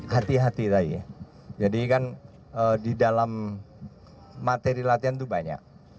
hati hati tadi ya jadi kan di dalam materi latihan itu banyak